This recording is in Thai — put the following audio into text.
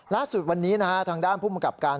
ล่าสุดวันนี้นะฮะทางด้านผู้มังกับการ